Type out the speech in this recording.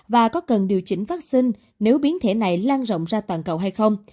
và có cần điều chỉnh vaccine nếu biến thể này lan rộng ra toàn cầu hay không